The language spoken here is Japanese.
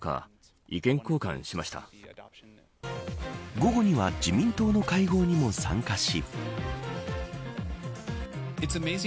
午後には自民党の会合にも参加し。